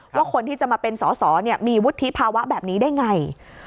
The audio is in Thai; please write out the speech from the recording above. ว่าคนที่จะมาเป็นสอสอมีวุฒิภาวะแบบนี้ได้ไง